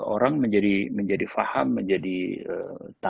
orang menjadi faham menjadi paham